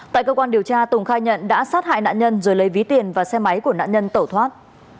tại cơ quan điều tra tùng khai nhận đã sát hại nạn nhân rồi lấy ví tiền và xe máy của nạn nhân tẩu thoát